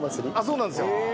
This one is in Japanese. そうなんですよ。